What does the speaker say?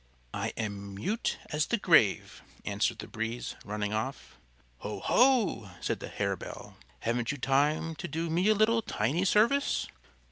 "I am mute as the grave," answered the Breeze, running off. "Ho! ho!" said the Harebell. "Haven't you time to do me a little, tiny service?"